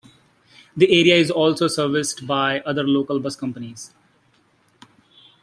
The area is also serviced by other local bus companies.